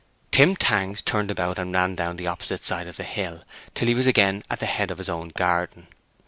Tim Tangs turned about, and ran down the opposite side of the hill, till he was again at the head of his own garden.